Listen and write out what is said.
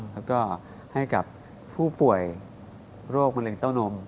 แล้วก็ให้กับผู้ป่วยโรคมะเร็งเต้านม